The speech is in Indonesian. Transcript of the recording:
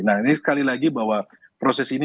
nah ini sekali lagi bahwa proses ini